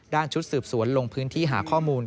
ชุดสืบสวนลงพื้นที่หาข้อมูล